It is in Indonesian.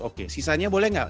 oke sisanya boleh nggak